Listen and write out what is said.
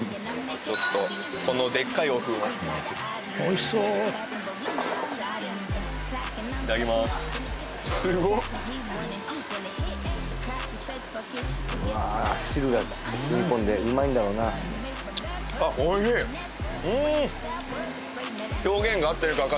ちょっとこのデッカいお麩をおいしそういただきますすごっうわ汁が吸い込んでうまいんだろうなあっおいしいうんうまそうじゃん